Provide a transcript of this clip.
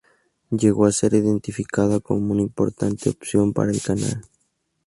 Llegó a ser identificada como una importante opción para el canal.